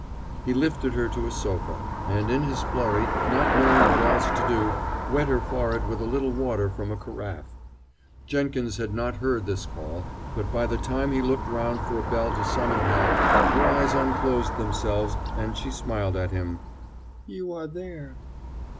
He lifted her to a sofa, and, in his flurry, not knowing what else to do, wet her forehead with a little water from a carafe. Jenkins had not heard his call, and by the time he looked round for a bell to summon help, her eyes unclosed themselves, and she smiled at him. "You are there...."